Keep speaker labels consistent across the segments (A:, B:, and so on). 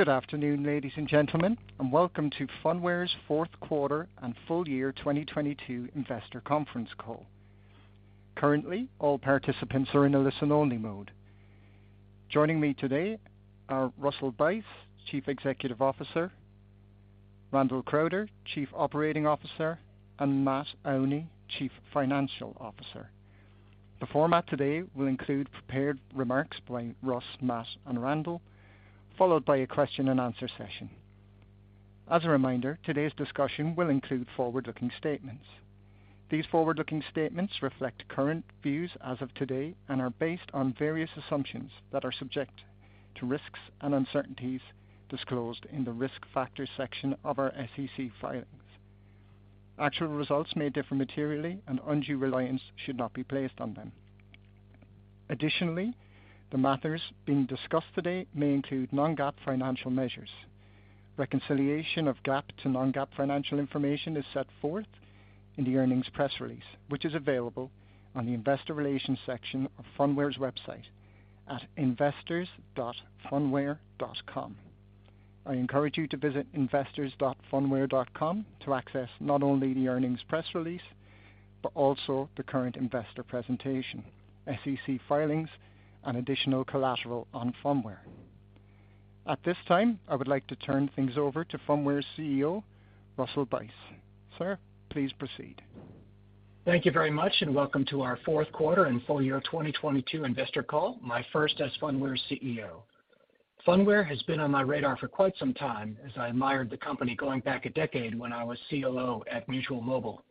A: Good afternoon, ladies and gentlemen, and welcome to Phunware's fourth quarter and full year 2022 investor conference call. Currently, all participants are in a listen-only mode. Joining me today are Russell Buyse, Chief Executive Officer; Randall Crowder, Chief Operating Officer; and Matt Aune, Chief Financial Officer. The format today will include prepared remarks by Russ, Matt and Randall, followed by a question-and-answer session. As a reminder, today's discussion will include forward-looking statements. These forward-looking statements reflect current views as of today and are based on various assumptions that are subject to risks and uncertainties disclosed in the Risk Factors section of our SEC filings. Actual results may differ materially, and undue reliance should not be placed on them. Additionally, the matters being discussed today may include non-GAAP financial measures. Reconciliation of GAAP to non-GAAP financial information is set forth in the earnings press release, which is available on the investor relations section of Phunware's website at investors.phunware.com. I encourage you to visit investors.phunware.com to access not only the earnings press release, but also the current investor presentation, SEC filings, and additional collateral on Phunware. At this time, I would like to turn things over to Phunware's CEO, Russell Buyse. Sir, please proceed.
B: Thank you very much and welcome to our fourth quarter and full year 2022 investor call, my first as Phunware's CEO. Phunware has been on my radar for quite some time, as I admired the company going back a decade when I was COO at Mutual Mobile.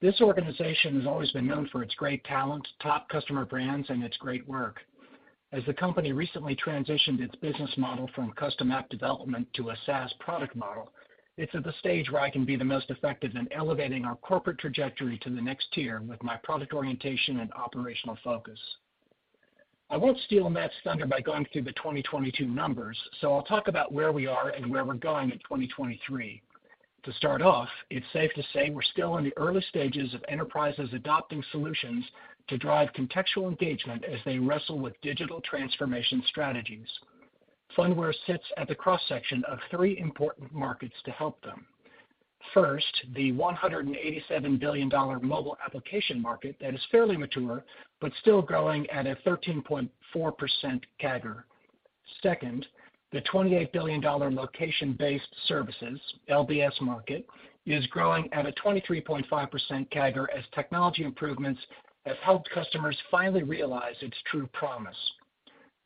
B: This organization has always been known for its great talent, top customer brands, and its great work. As the company recently transitioned its business model from custom app development to a SaaS product model, it's at the stage where I can be the most effective in elevating our corporate trajectory to the next tier with my product orientation and operational focus. I won't steal Matt's thunder by going through the 2022 numbers, so I'll talk about where we are and where we're going in 2023. To start off, it's safe to say we're still in the early stages of enterprises adopting solutions to drive contextual engagement as they wrestle with digital transformation strategies. Phunware sits at the cross-section of three important markets to help them. First, the $187 billion mobile application market that is fairly mature but still growing at a 13.4% CAGR. Second, the $28 billion location-based services, LBS market, is growing at a 23.5% CAGR as technology improvements have helped customers finally realize its true promise.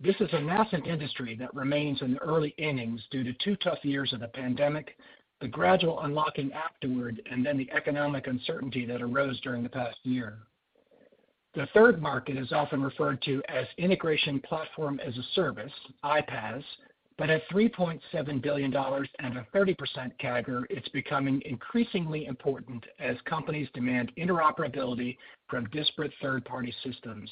B: This is a nascent industry that remains in the early innings due to two tough years of the pandemic, the gradual unlocking afterward, and then the economic uncertainty that arose during the past year. The third market is often referred to as integration platform as a service, iPaaS, at $3.7 billion and a 30% CAGR, it's becoming increasingly important as companies demand interoperability from disparate third-party systems.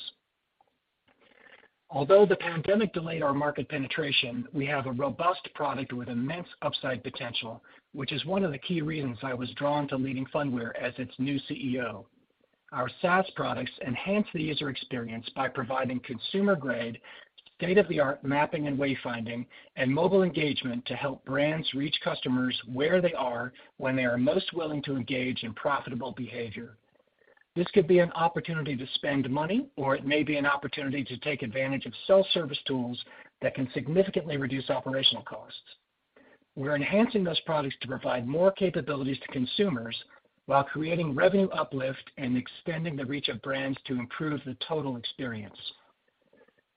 B: Although the pandemic delayed our market penetration, we have a robust product with immense upside potential, which is one of the key reasons I was drawn to leading Phunware as its new CEO. Our SaaS products enhance the user experience by providing consumer-grade, state-of-the-art mapping and wayfinding and mobile engagement to help brands reach customers where they are when they are most willing to engage in profitable behavior. This could be an opportunity to spend money or it may be an opportunity to take advantage of self-service tools that can significantly reduce operational costs. We're enhancing those products to provide more capabilities to consumers while creating revenue uplift and extending the reach of brands to improve the total experience.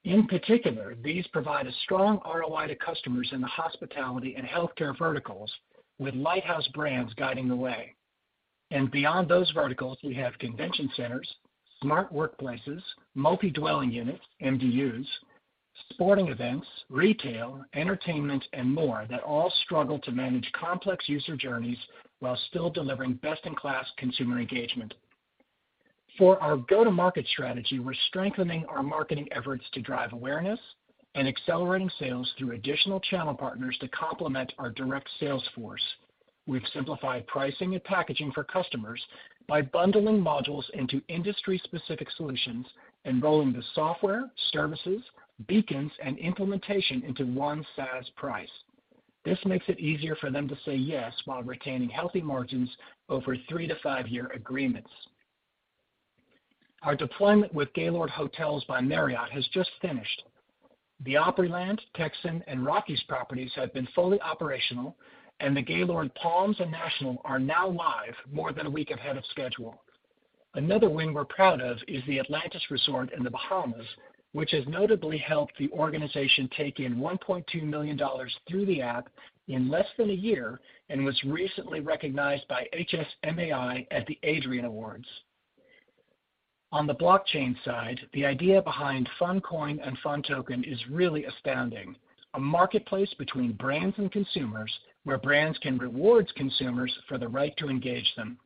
B: In particular, these provide a strong ROI to customers in the hospitality and healthcare verticals with lighthouse brands guiding the way. Beyond those verticals, we have convention centers, smart workplaces, multi-dwelling units, MDUs, sporting events, retail, entertainment and more that all struggle to manage complex user journeys while still delivering best-in-class consumer engagement. For our go-to-market strategy, we're strengthening our marketing efforts to drive awareness and accelerating sales through additional channel partners to complement our direct sales force. We've simplified pricing and packaging for customers by bundling modules into industry-specific solutions and rolling the software, services, beacons, and implementation into one SaaS price. This makes it easier for them to say yes while retaining healthy margins over three to five year agreements. Our deployment with Gaylord Hotels by Marriott has just finished. The Opryland, Texan, and Rockies properties have been fully operational. The Gaylord Palms and National are now live more than a week ahead of schedule. Another win we're proud of is the Atlantis Resort in the Bahamas, which has notably helped the organization take in $1.2 million through the app in less than a year and was recently recognized by HSMAI at the Adrian Awards. On the blockchain side, the idea behind PhunCoin and PhunToken is really astounding. A marketplace between brands and consumers, where brands can reward consumers for the right to engage them.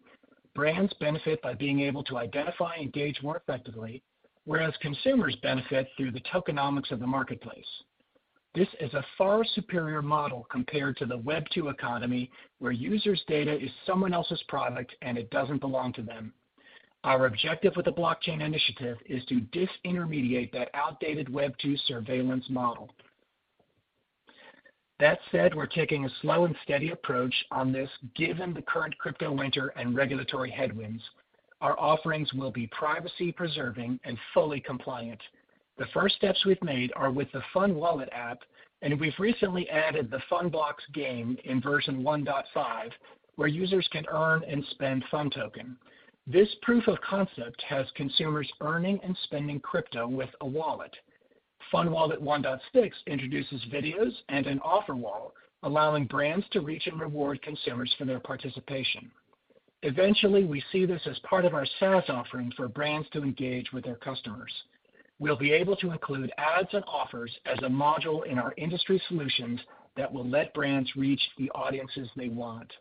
B: Brands benefit by being able to identify and engage more effectively, whereas consumers benefit through the tokenomics of the marketplace. This is a far superior model compared to the Web2 economy, where users' data is someone else's product and it doesn't belong to them. Our objective with the blockchain initiative is to disintermediate that outdated Web2 surveillance model. That said, we're taking a slow and steady approach on this given the current crypto winter and regulatory headwinds. Our offerings will be privacy preserving and fully compliant. The first steps we've made are with the PhunWallet app, and we've recently added the PhunBlocks game in version 1.5, where users can earn and spend PhunToken. This proof of concept has consumers earning and spending crypto with a wallet. PhunWallet 1.6 introduces videos and an offer wall, allowing brands to reach and reward consumers for their participation. Eventually, we see this as part of our SaaS offering for brands to engage with their customers. We'll be able to include ads and offers as a module in our industry solutions that will let brands reach the audiences they want.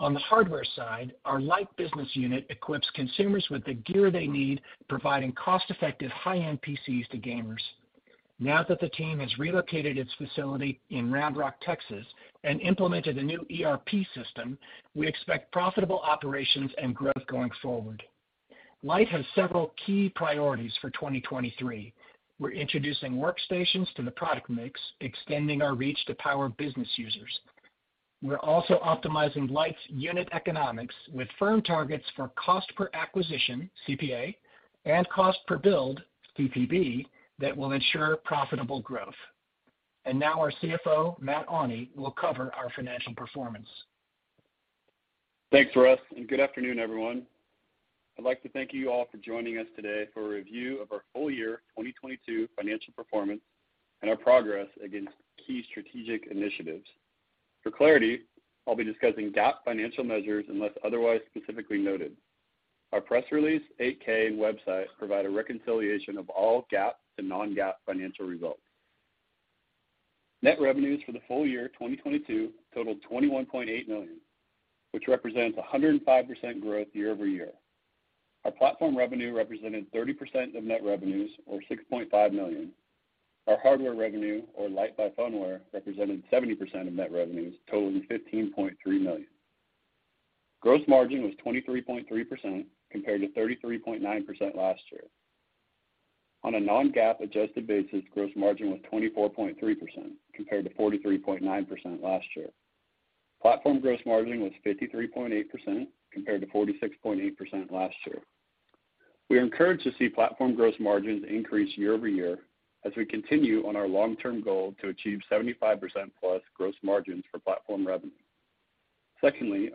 B: On the hardware side, our Lyte business unit equips consumers with the gear they need, providing cost-effective high-end PCs to gamers. Now that the team has relocated its facility in Round Rock, Texas, and implemented a new ERP system, we expect profitable operations and growth going forward. Lyte has several key priorities for 2023. We're introducing workstations to the product mix, extending our reach to power business users. We're also optimizing Lyte's unit economics with firm targets for cost per acquisition, CPA, and cost per build, CPB, that will ensure profitable growth. Now our CFO Matt Aune will cover our financial performance.
C: Thanks, Russ. Good afternoon, everyone. I'd like to thank you all for joining us today for a review of our full year 2022 financial performance and our progress against key strategic initiatives. For clarity, I'll be discussing GAAP financial measures unless otherwise specifically noted. Our press release, 8-K website provide a reconciliation of all GAAP to non-GAAP financial results. Net revenues for the full year 2022 totaled $21.8 million, which represents 105% growth year-over-year. Our platform revenue represented 30% of net revenues or $6.5 million. Our hardware revenue, or Lyte by Phunware, represented 70% of net revenues totaling $15.3 million. Gross margin was 23.3% compared to 33.9% last year. On a non-GAAP adjusted basis, gross margin was 24.3% compared to 43.9% last year. Platform gross margin was 53.8% compared to 46.8% last year. We are encouraged to see platform gross margins increase year-over-year as we continue on our long-term goal to achieve 75%+ gross margins for platform revenue.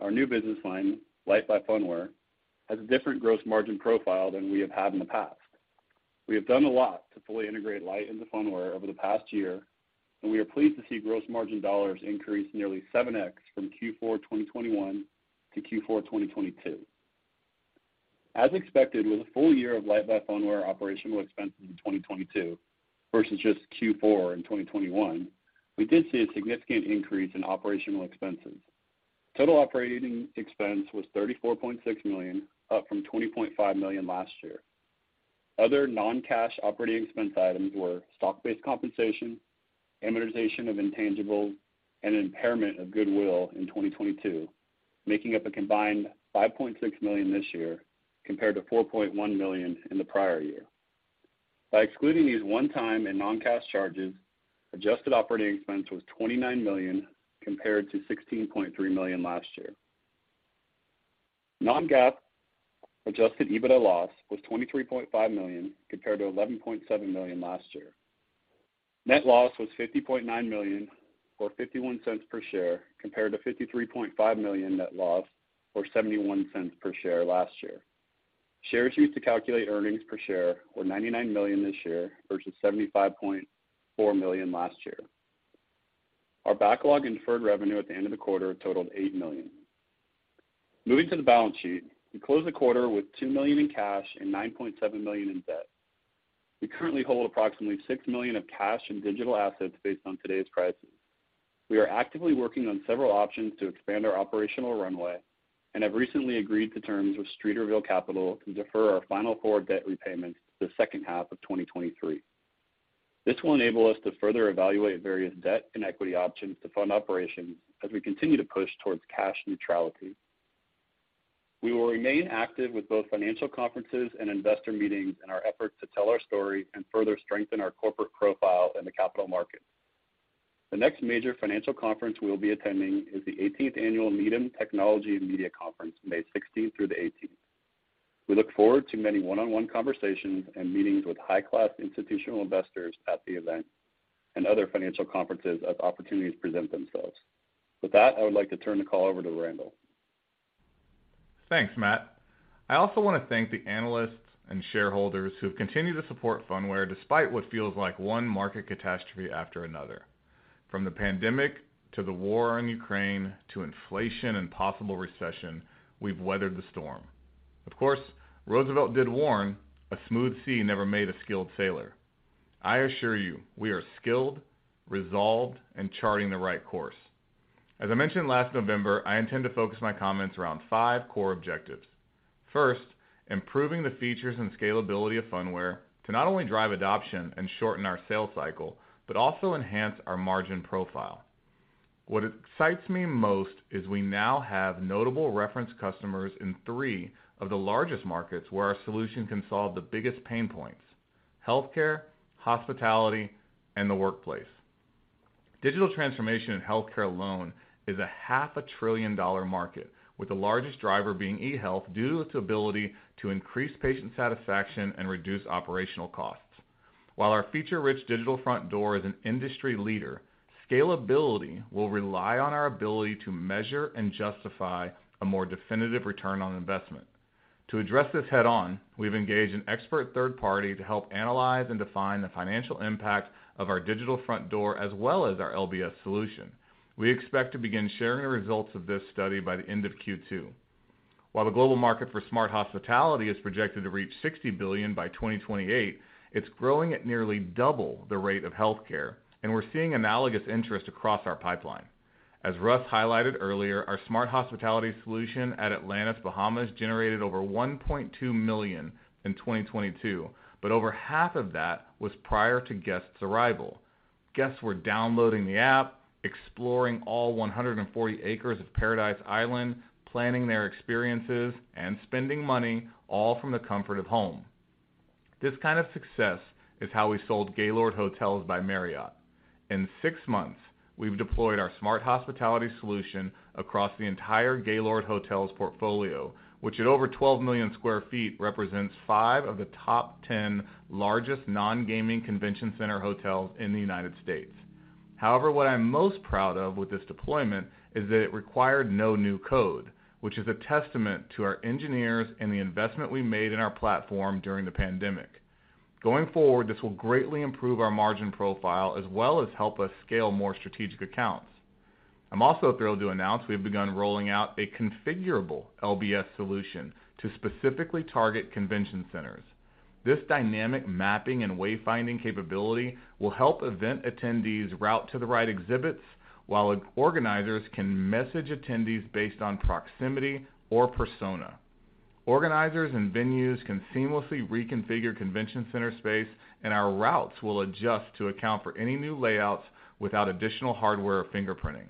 C: Our new business line, Lyte by Phunware, has a different gross margin profile than we have had in the past. We have done a lot to fully integrate Lyte into Phunware over the past year, and we are pleased to see gross margin dollars increase nearly 7x from Q4 2021 to Q4 2022. As expected, with a full year of Lyte by Phunware operational expenses in 2022 versus just Q4 in 2021, we did see a significant increase in operational expenses. Total operating expense was $34.6 million, up from $20.5 million last year. Other non-cash operating expense items were stock-based compensation, amortization of intangibles, and impairment of goodwill in 2022, making up a combined $5.6 million this year compared to $4.1 million in the prior year. By excluding these one-time and non-cash charges, adjusted operating expense was $29 million compared to $16.3 million last year. Non-GAAP adjusted EBITDA loss was $23.5 million compared to $11.7 million last year. Net loss was $50.9 million or $0.51 per share compared to $53.5 million net loss or $0.71 per share last year. Shares used to calculate earnings per share were 99 million this year versus 75.4 million last year. Our backlog in deferred revenue at the end of the quarter totaled $8 million. Moving to the balance sheet, we closed the quarter with $2 million in cash and $9.7 million in debt. We currently hold approximately $6 million of cash and digital assets based on today's prices. We are actively working on several options to expand our operational runway and have recently agreed to terms with Streeterville Capital to defer our final four debt repayments to the second half of 2023. This will enable us to further evaluate various debt and equity options to fund operations as we continue to push towards cash neutrality. We will remain active with both financial conferences and investor meetings in our efforts to tell our story and further strengthen our corporate profile in the capital markets. The next major financial conference we'll be attending is the 18th annual Needham Technology & Media Conference, May 16th through the 18th. We look forward to many one-on-one conversations and meetings with high-class institutional investors at the event and other financial conferences as opportunities present themselves. With that, I would like to turn the call over to Randall.
D: Thanks, Matt. I also want to thank the analysts and shareholders who have continued to support Phunware despite what feels like one market catastrophe after another. From the pandemic to the war in Ukraine to inflation and possible recession, we've weathered the storm. Of course, Roosevelt did warn, "A smooth sea never made a skilled sailor." I assure you, we are skilled, resolved, and charting the right course. As I mentioned last November, I intend to focus my comments around five core objectives. First, improving the features and scalability of Phunware to not only drive adoption and shorten our sales cycle, but also enhance our margin profile. What excites me most is we now have notable reference customers in three of the largest markets where our solution can solve the biggest pain points: healthcare, hospitality, and the workplace. Digital transformation in healthcare alone is a $0.5 trillion market, with the largest driver being eHealth due to its ability to increase patient satisfaction and reduce operational costs. While our feature-rich digital front door is an industry leader, scalability will rely on our ability to measure and justify a more definitive return on investment. To address this head-on, we've engaged an expert third party to help analyze and define the financial impact of our digital front door as well as our LBS solution. We expect to begin sharing the results of this study by the end of Q2. While the global market for smart hospitality is projected to reach $60 billion by 2028, it's growing at nearly double the rate of healthcare. We're seeing analogous interest across our pipeline. As Russ highlighted earlier, our smart hospitality solution at Atlantis Bahamas generated over $1.2 million in 2022, but over half of that was prior to guests' arrival. Guests were downloading the app, exploring all 140 acres of Paradise Island, planning their experiences, and spending money all from the comfort of home. This kind of success is how we sold Gaylord Hotels by Marriott. In six months, we've deployed our smart hospitality solution across the entire Gaylord Hotels portfolio, which at over 12 million sq ft, represents five of the top 10 largest non-gaming convention center hotels in the United States. What I'm most proud of with this deployment is that it required no new code, which is a testament to our engineers and the investment we made in our platform during the pandemic. Going forward, this will greatly improve our margin profile as well as help us scale more strategic accounts. I'm also thrilled to announce we've begun rolling out a configurable LBS solution to specifically target convention centers. This dynamic mapping and wayfinding capability will help event attendees route to the right exhibits while organizers can message attendees based on proximity or persona. Organizers and venues can seamlessly reconfigure convention center space, and our routes will adjust to account for any new layouts without additional hardware or fingerprinting.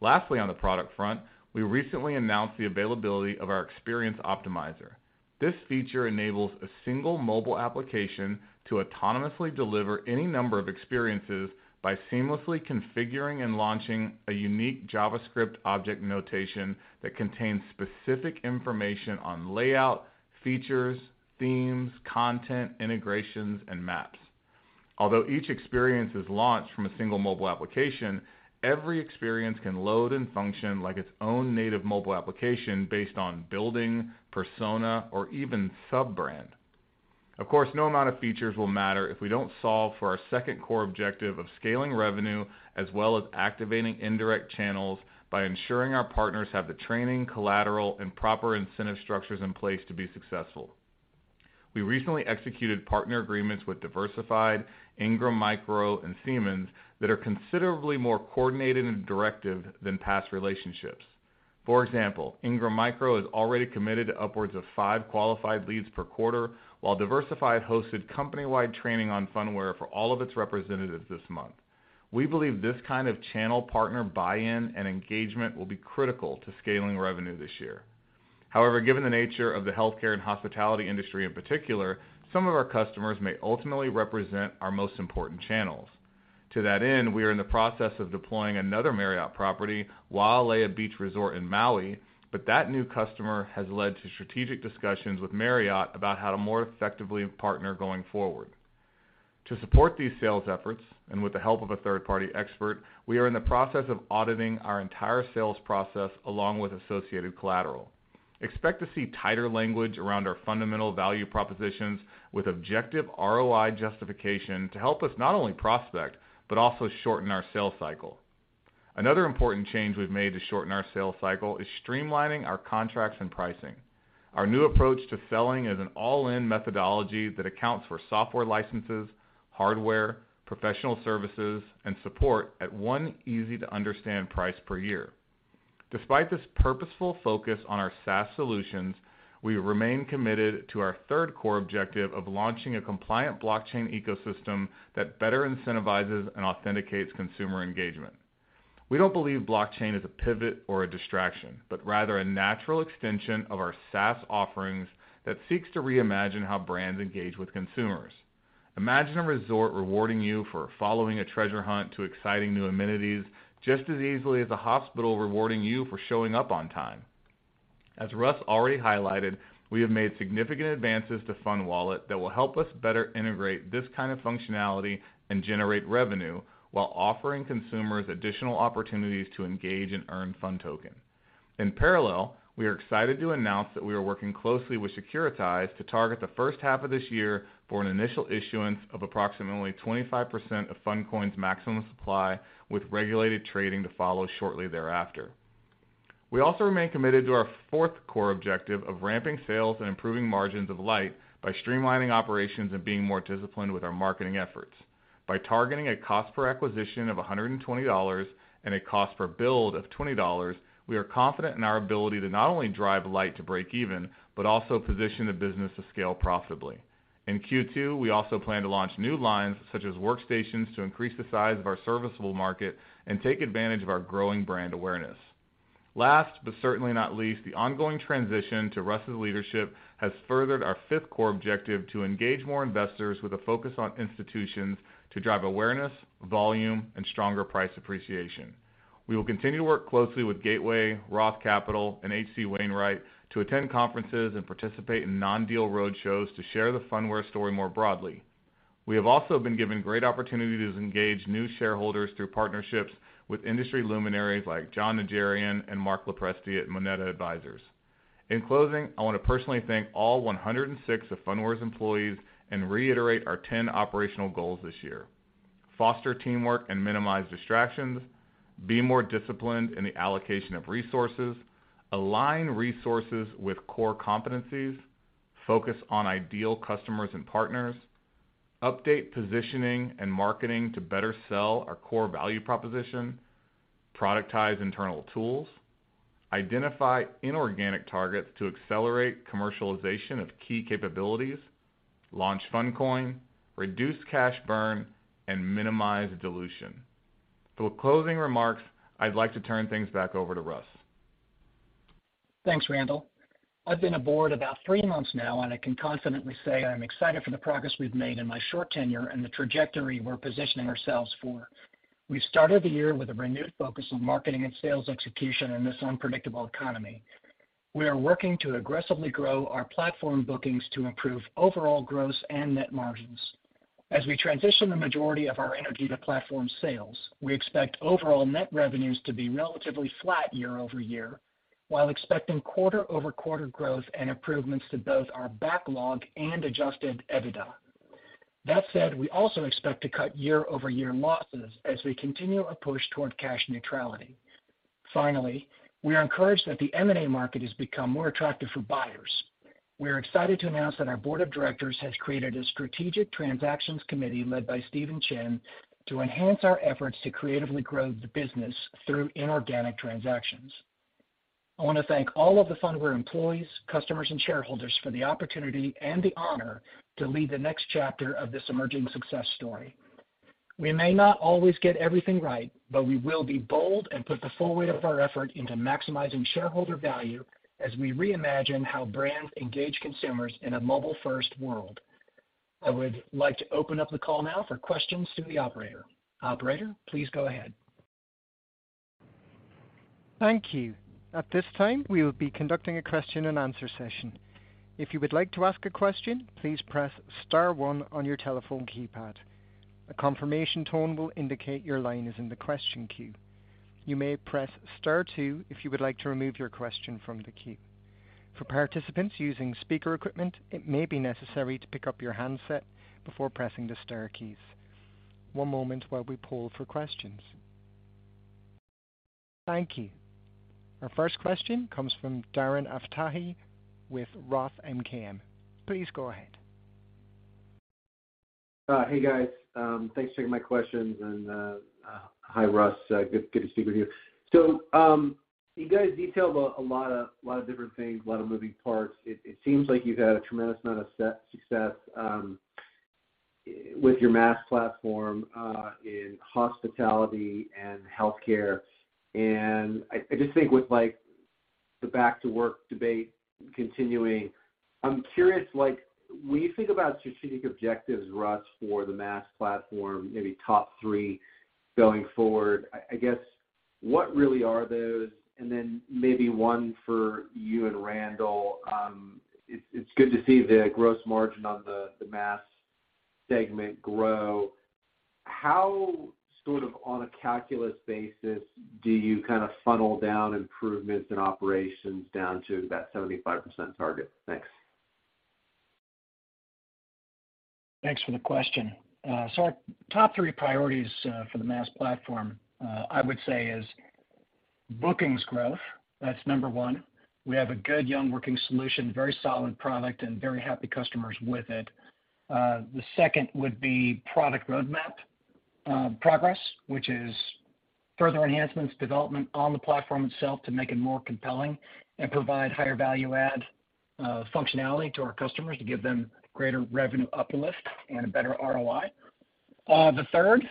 D: Lastly, on the product front, we recently announced the availability of our Experience Optimizer. This feature enables a single mobile application to autonomously deliver any number of experiences by seamlessly configuring and launching a unique JavaScript Object Notation that contains specific information on layout, features, themes, content, integrations, and maps. Although each experience is launched from a single mobile application, every experience can load and function like its own native mobile application based on building, persona, or even sub-brand. Of course, no amount of features will matter if we don't solve for our second core objective of scaling revenue as well as activating indirect channels by ensuring our partners have the training, collateral, and proper incentive structures in place to be successful. We recently executed partner agreements with Diversified, Ingram Micro, and Siemens that are considerably more coordinated and directive than past relationships. For example, Ingram Micro has already committed upwards of five qualified leads per quarter, while Diversified hosted company-wide training on Phunware for all of its representatives this month. We believe this kind of channel partner buy-in and engagement will be critical to scaling revenue this year. Given the nature of the healthcare and hospitality industry in particular, some of our customers may ultimately represent our most important channels. To that end, we are in the process of deploying another Marriott property, Wailea Beach Resort in Maui, but that new customer has led to strategic discussions with Marriott about how to more effectively partner going forward. To support these sales efforts, and with the help of a third-party expert, we are in the process of auditing our entire sales process along with associated collateral. Expect to see tighter language around our fundamental value propositions with objective ROI justification to help us not only prospect, but also shorten our sales cycle. Another important change we've made to shorten our sales cycle is streamlining our contracts and pricing. Our new approach to selling is an all-in methodology that accounts for software licenses, hardware, professional services, and support at one easy to understand price per year. Despite this purposeful focus on our SaaS solutions, we remain committed to our third core objective of launching a compliant blockchain ecosystem that better incentivizes and authenticates consumer engagement. We don't believe blockchain is a pivot or a distraction, but rather a natural extension of our SaaS offerings that seeks to reimagine how brands engage with consumers. Imagine a resort rewarding you for following a treasure hunt to exciting new amenities just as easily as a hospital rewarding you for showing up on time. As Russ already highlighted, we have made significant advances to PhunWallet that will help us better integrate this kind of functionality and generate revenue while offering consumers additional opportunities to engage and earn PhunToken. In parallel, we are excited to announce that we are working closely with Securitize to target the first half of this year for an initial issuance of approximately 25% of PhunCoin's maximum supply, with regulated trading to follow shortly thereafter. We also remain committed to our fourth core objective of ramping sales and improving margins of Lyte by streamlining operations and being more disciplined with our marketing efforts. By targeting a cost per acquisition of $120 and a cost per build of $20, we are confident in our ability to not only drive Lyte to break even but also position the business to scale profitably. In Q2, we also plan to launch new lines, such as workstations, to increase the size of our serviceable market and take advantage of our growing brand awareness. Last, but certainly not least, the ongoing transition to Russ's leadership has furthered our fifth core objective to engage more investors with a focus on institutions to drive awareness, volume, and stronger price appreciation. We will continue to work closely with Gateway, ROTH Capital, and H.C. Wainwright to attend conferences and participate in non-deal roadshows to share the Phunware story more broadly. We have also been given great opportunities to engage new shareholders through partnerships with industry luminaries like Jon Najarian and Marc LoPresti at Moneta Advisors. In closing, I wanna personally thank all 106 of Phunware's employees and reiterate our 10 operational goals this year: foster teamwork and minimize distractions, be more disciplined in the allocation of resources, align resources with core competencies, focus on ideal customers and partners, update positioning and marketing to better sell our core value proposition, productize internal tools, identify inorganic targets to accelerate commercialization of key capabilities, launch PhunCoin, reduce cash burn, and minimize dilution. For closing remarks, I'd like to turn things back over to Russ.
B: Thanks, Randall. I've been aboard about three months now, and I can confidently say I'm excited for the progress we've made in my short tenure and the trajectory we're positioning ourselves for. We started the year with a renewed focus on marketing and sales execution in this unpredictable economy. We are working to aggressively grow our platform bookings to improve overall gross and net margins. As we transition the majority of our energy to platform sales, we expect overall net revenues to be relatively flat year-over-year, while expecting quarter-over-quarter growth and improvements to both our backlog and adjusted EBITDA. That said, we also expect to cut year-over-year losses as we continue our push toward cash neutrality. We are encouraged that the M&A market has become more attractive for buyers. We are excited to announce that our Board of Directors has created a Strategic Transactions Committee led by Stephen Chen to enhance our efforts to creatively grow the business through inorganic transactions. I wanna thank all of the Phunware employees, customers, and shareholders for the opportunity and the honor to lead the next chapter of this emerging success story. We may not always get everything right, we will be bold and put the full weight of our effort into maximizing shareholder value as we reimagine how brands engage consumers in a mobile-first world. I would like to open up the call now for questions to the operator. Operator, please go ahead.
A: Thank you. At this time, we will be conducting a question-and-answer session. If you would like to ask a question, please press star one on your telephone keypad. A confirmation tone will indicate your line is in the question queue. You may press star two if you would like to remove your question from the queue. For participants using speaker equipment, it may be necessary to pick up your handset before pressing the star keys. One moment while we poll for questions. Thank you. Our first question comes from Darren Aftahi with Roth MKM. Please go ahead.
E: Hey, guys. Thanks for taking my questions. Hi, Russ. Good to speak with you. You guys detailed a lot of different things, a lot of moving parts. It seems like you've had a tremendous amount of success with your MaaS platform in hospitality and healthcare. I just think with, like, the back to work debate continuing, I'm curious, like, when you think about strategic objectives, Russ, for the MaaS platform, maybe top three going forward, I guess what really are those? Maybe one for you and Randall. It's good to see the gross margin on the MaaS segment grow. How sort of on a calculus basis do you kinda funnel down improvements in operations down to that 75% target? Thanks.
B: Thanks for the question. Our top three priorities for the MaaS platform, I would say is bookings growth. That's number 1. We have a good young working solution, very solid product, and very happy customers with it. The second would be product roadmap progress, which is further enhancements, development on the platform itself to make it more compelling and provide higher value add functionality to our customers to give them greater revenue uplift and a better ROI. The third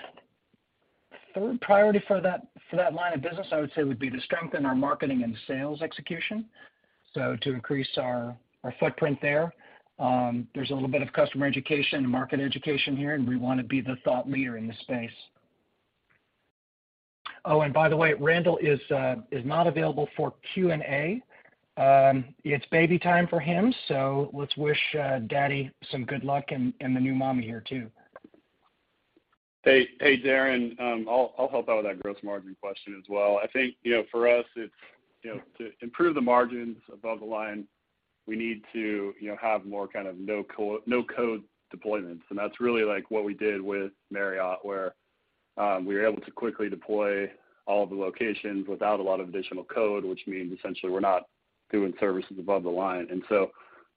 B: priority for that line of business, I would say, would be to strengthen our marketing and sales execution, to increase our footprint there. There's a little bit of customer education and market education here, and we wanna be the thought leader in this space. By the way, Randall is not available for Q&A. It's baby time for him, so let's wish, daddy some good luck and the new mommy here too.
C: Hey, hey, Darren, I'll help out with that gross margin question as well. I think, you know, for us it's, you know, to improve the margins above the line, we need to, you know, have more kind of no code deployments. That's really like what we did with Marriott, where we were able to quickly deploy all the locations without a lot of additional code, which means essentially we're not doing services above the line.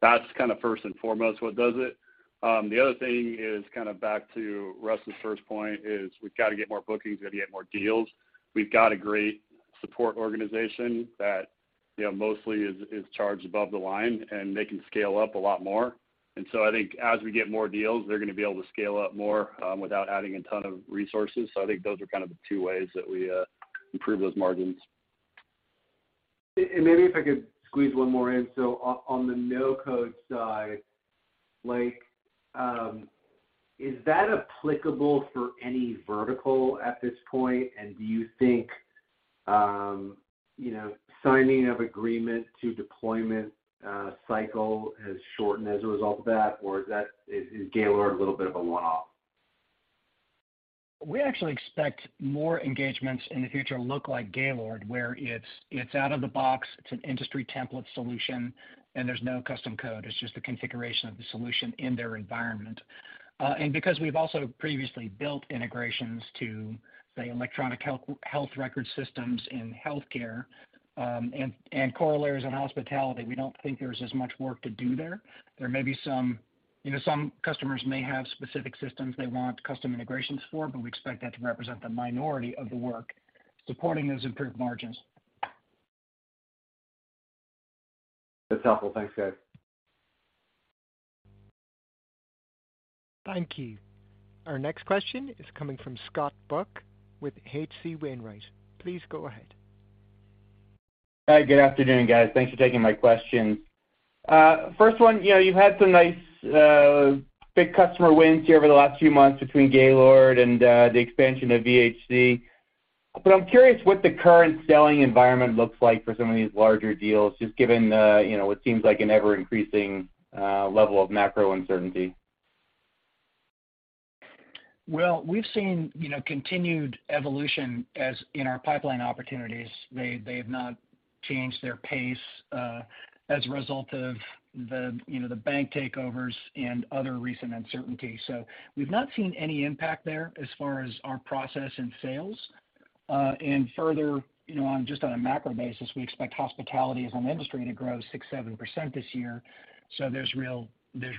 C: That's kinda first and foremost what does it. The other thing is kinda back to Russ's first point is we've gotta get more bookings. We've gotta get more deals. We've got a great support organization that mostly is charged above the line. They can scale up a lot more. I think as we get more deals, they're gonna be able to scale up more without adding a ton of resources. I think those are kind of the two ways that we improve those margins.
E: Maybe if I could squeeze one more in. On the no-code side, like, is that applicable for any vertical at this point? Do you think, you know, signing of agreement to deployment, cycle has shortened as a result of that, or is Gaylord a little bit of a one-off?
B: We actually expect more engagements in the future look like Gaylord, where it's out of the box, it's an industry template solution, and there's no custom code. It's just the configuration of the solution in their environment. Because we've also previously built integrations to, say, electronic health record systems in healthcare, and correlators in hospitality, we don't think there's as much work to do there. You know, some customers may have specific systems they want custom integrations for, we expect that to represent the minority of the work supporting those improved margins.
E: That's helpful. Thanks, guys.
A: Thank you. Our next question is coming from Scott Buck with H.C. Wainwright. Please go ahead.
F: Hi, good afternoon, guys. Thanks for taking my questions. First one, you know, you've had some nice, big customer wins here over the last few months between Gaylord and the expansion of VHC. I'm curious what the current selling environment looks like for some of these larger deals, just given the, you know, what seems like an ever-increasing level of macro uncertainty.
B: Well, we've seen, you know, continued evolution as in our pipeline opportunities. They have not changed their pace as a result of the, you know, the bank takeovers and other recent uncertainties. We've not seen any impact there as far as our process and sales. Further, you know, on just on a macro basis, we expect hospitality as an industry to grow 6%-7% this year. There's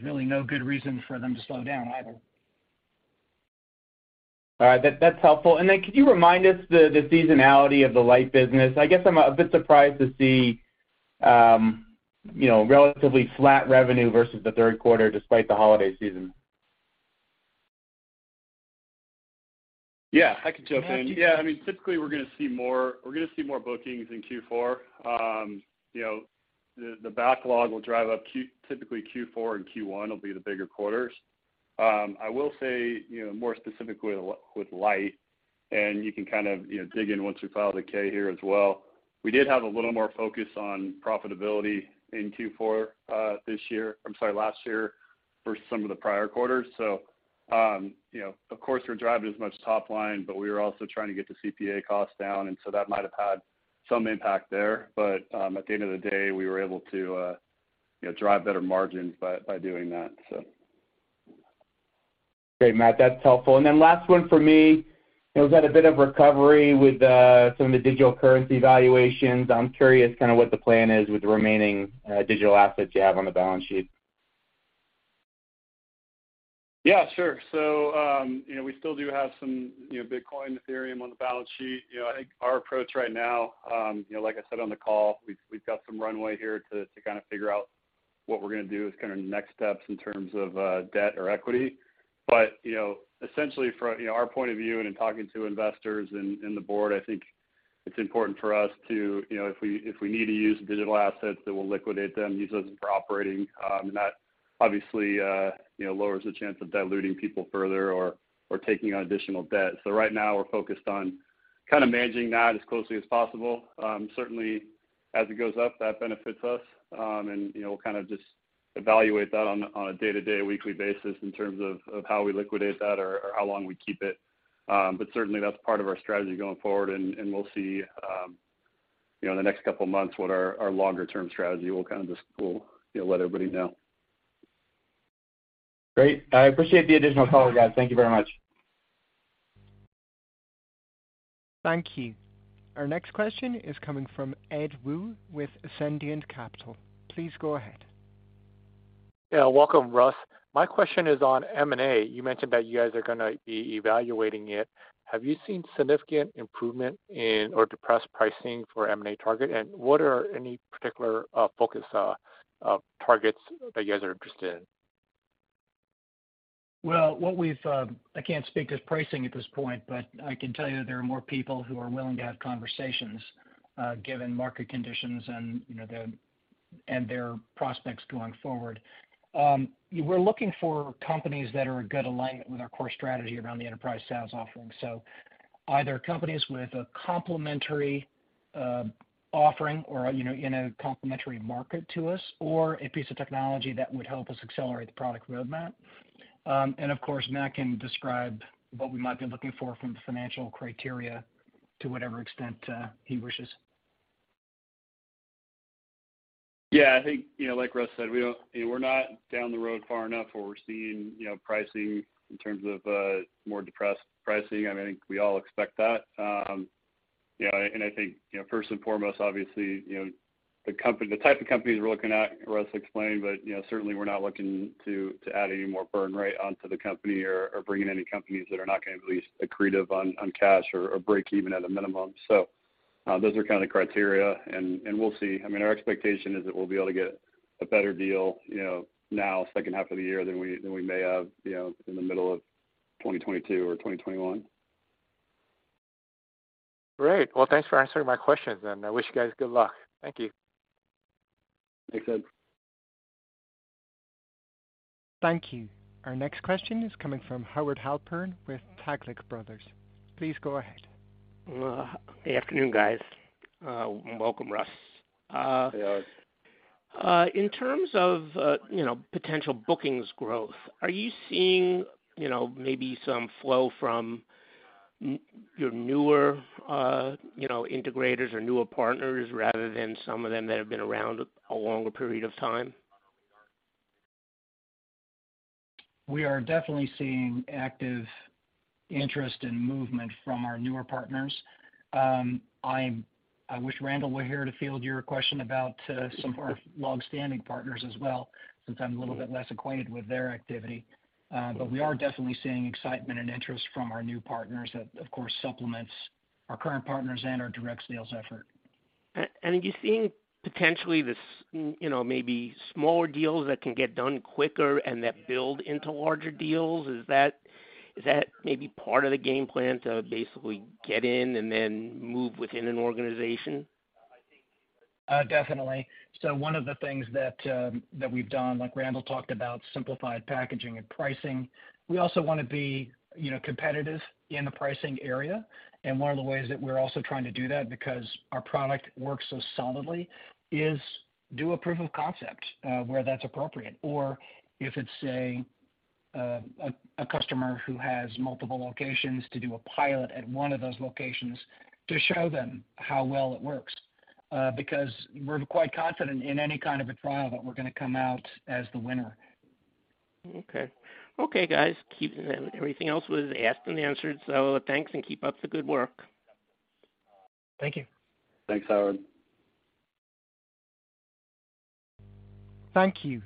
B: really no good reason for them to slow down either.
F: All right. That's helpful. Then could you remind us the seasonality of the Lyte business? I guess I'm a bit surprised to see, you know, relatively flat revenue versus the 3rd quarter despite the holiday season.
C: Yeah, I can jump in. I mean, typically, we're gonna see more, we're gonna see more bookings in Q4. You know, the backlog will drive up. Typically, Q4 and Q1 will be the bigger quarters. I will say, you know, more specifically with Lyte, and you can kind of, you know, dig in once we file the K here as well. We did have a little more focus on profitability in Q4 last year for some of the prior quarters. You know, of course, we're driving as much top line, but we were also trying to get the CPA costs down. That might have had some impact there. At the end of the day, we were able to, you know, drive better margins by doing that.
F: Great, Matt. That's helpful. Last one for me, you know, we've had a bit of recovery with some of the digital currency valuations. I'm curious kinda what the plan is with the remaining, digital assets you have on the balance sheet.
C: Yeah, sure. You know, we still do have some, you know, Bitcoin, Ethereum on the balance sheet. You know, I think our approach right now, you know, like I said on the call, we've got some runway here to kind of figure out what we're gonna do as kinda next steps in terms of debt or equity. You know, essentially from, you know, our point of view and in talking to investors and the board, I think it's important for us to, you know, if we need to use digital assets that will liquidate them, use those for operating, that obviously, you know, lowers the chance of diluting people further or taking on additional debt. Right now, we're focused on kind of managing that as closely as possible. Certainly, as it goes up, that benefits us. You know, we'll kind of just evaluate that on a, on a day-to-day, weekly basis in terms of how we liquidate that or how long we keep it. Certainly, that's part of our strategy going forward, and we'll see, you know, in the next couple of months what our longer-term strategy. We'll kind of just, you know, let everybody know.
F: Great. I appreciate the additional color, guys. Thank you very much.
A: Thank you. Our next question is coming from Ed Woo with Ascendiant Capital. Please go ahead.
G: Yeah, welcome Russ. My question is on M&A. You mentioned that you guys are gonna be evaluating it. Have you seen significant improvement in or depressed pricing for M&A target? What are any particular focus targets that you guys are interested in?
B: What we've, I can't speak to pricing at this point, but I can tell you there are more people who are willing to have conversations, given market conditions and, you know, their prospects going forward. We're looking for companies that are a good alignment with our core strategy around the enterprise sales offering. Either companies with a complementary offering or, you know, in a complementary market to us, or a piece of technology that would help us accelerate the product roadmap. Of course, Matt can describe what we might be looking for from the financial criteria to whatever extent he wishes.
C: Yeah, I think, you know, like Russ said, you know, we're not down the road far enough where we're seeing, you know, pricing in terms of more depressed pricing. I think we all expect that. You know, I think, you know, first and foremost, obviously, you know, the type of companies we're looking at, Russ explained, but you know, certainly we're not looking to add any more burn rate onto the company or bring in any companies that are not gonna at least accretive on cash or break even at a minimum. Those are kind of the criteria and we'll see. I mean, our expectation is that we'll be able to get a better deal, you know, now second half of the year than we may have, you know, in the middle of 2022 or 2021.
G: Great. Well, thanks for answering my questions. I wish you guys good luck. Thank you.
C: Thanks, Ed.
A: Thank you. Our next question is coming from Howard Halpern with Taglich Brothers. Please go ahead.
H: Well, good afternoon, guys and welcome, Russ.
B: Hey, Howard.
H: In terms of, you know, potential bookings growth, are you seeing, you know, maybe some flow from your newer, you know, integrators or newer partners rather than some of them that have been around a longer period of time?
B: We are definitely seeing active interest and movement from our newer partners. I wish Randall were here to field your question about, some of our long-standing partners as well, since I'm a little bit less acquainted with their activity. We are definitely seeing excitement and interest from our new partners that, of course, supplements our current partners and our direct sales effort.
H: Are you seeing potentially this, you know, maybe smaller deals that can get done quicker and that build into larger deals? Is that maybe part of the game plan to basically get in and then move within an organization?
B: Definitely. One of the things that we've done, like Randall talked about, simplified packaging and pricing. We also wanna be, you know, competitive in the pricing area. One of the ways that we're also trying to do that, because our product works so solidly, is do a proof of concept where that's appropriate. Or if it's, say, a customer who has multiple locations to do a pilot at one of those locations to show them how well it works. Because we're quite confident in any kind of a trial that we're gonna come out as the winner.
H: Okay. Okay, guys. Everything else was asked and answered, so thanks and keep up the good work.
B: Thank you.
C: Thanks, Howard.
A: Thank you.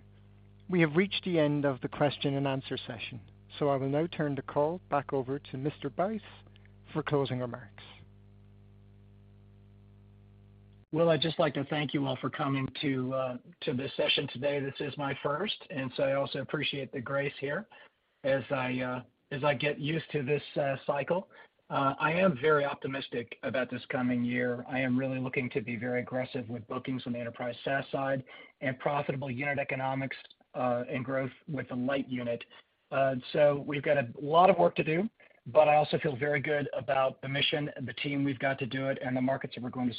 A: We have reached the end of the question-and-answer session, so I will now turn the call back over to Mr. Buyse for closing remarks.
B: I'd just like to thank you all for coming to this session today. This is my first, and so I also appreciate the grace here as I get used to this cycle. I am very optimistic about this coming year. I am really looking to be very aggressive with bookings on the enterprise SaaS side and profitable unit economics and growth with the Lyte unit. We've got a lot of work to do, but I also feel very good about the mission and the team we've got to do it and the markets that we're going to serve